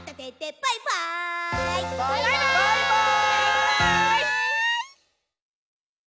「バイバーイ！」